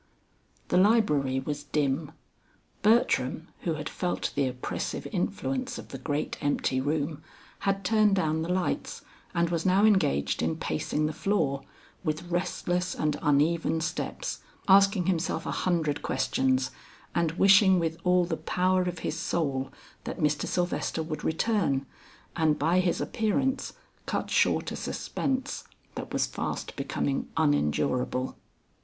The library was dim; Bertram, who had felt the oppressive influence of the great empty room, had turned down the lights, and was now engaged in pacing the floor, with restless and uneven steps, asking himself a hundred questions, and wishing with all the power of his soul, that Mr. Sylvester would return, and by his appearance cut short a suspense that was fast becoming unendurable.